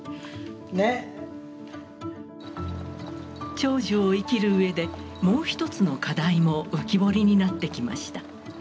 長寿を生きる上でもう一つの課題も浮き彫りになってきました。